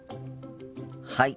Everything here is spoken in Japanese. はい。